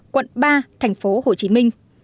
quận ba tp hcm